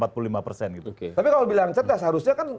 tapi kalau bilang cerdas harusnya kan